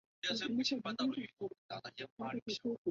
磅是英国与美国所使用的英制质量单位。